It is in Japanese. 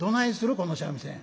この三味線。